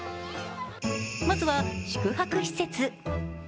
まずは宿泊施設。